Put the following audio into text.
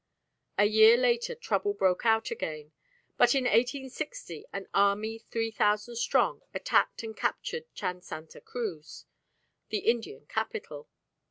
A year later trouble broke out again, but in 1860 an army 3,000 strong attacked and captured Chan Santa Cruz, the Indian capital.